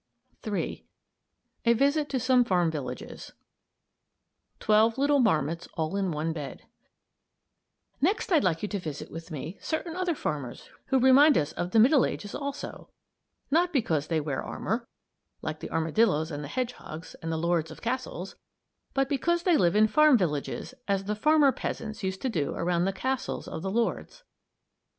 III. A VISIT TO SOME FARM VILLAGES TWELVE LITTLE MARMOTS ALL IN ONE BED Next I'd like you to visit with me certain other farmers who remind us of the Middle Ages also; not because they wear armor, like the armadillos and the hedgehogs and the lords of castles, but because they live in farm villages as the farmer peasants used to do around the castles of the lords.